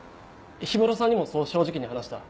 氷室さんにもそう正直に話した。